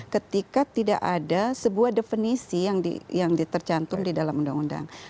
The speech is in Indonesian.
ketika tidak ada sebuah definisi yang ditercantum di dalam undang undang